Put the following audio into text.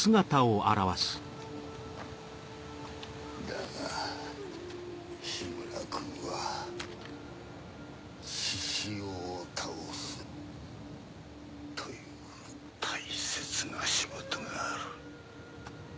だが緋村君は志々雄を倒すという大切な仕事がある。